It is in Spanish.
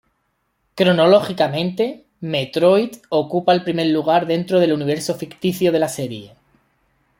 Cronológicamente, "Metroid" ocupa el primer lugar dentro del universo ficticio de la serie.